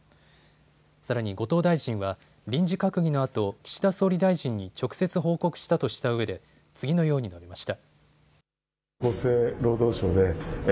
さらに後藤大臣は臨時閣議のあと岸田総理大臣に直接報告したとしたうえで次のように述べました。